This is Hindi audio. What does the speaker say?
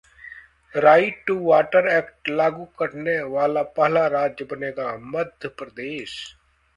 राइट टू वॉटर एक्ट लागू करने वाला पहला राज्य बनेगा मध्य प्रदेश